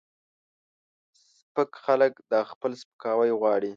سپک خلک دا خپل سپکاوی غواړي